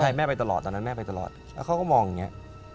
ใช่แม่ไปตลอดตอนนั้นแม่ไปตลอดแล้วเขาก็มองอย่างนี้